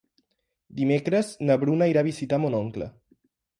Dimecres na Bruna irà a visitar mon oncle.